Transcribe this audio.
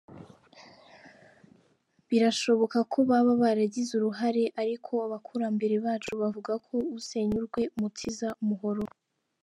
Birashoboka ko baba baragize uruhare ariko abakurambere bacu bavugaga ko usenya urwe umutiza umuhoro.